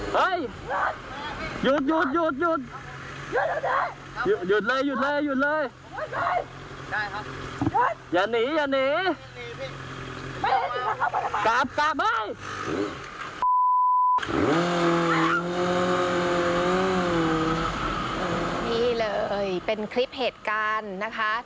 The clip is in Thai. เฮ้ยหยุด